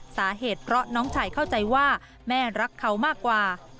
สาเหตุเพราะน้องชายเข้าใจว่าแม่รักเขามากกว่า